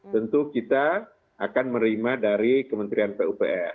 tentu kita akan menerima dari kementerian pupr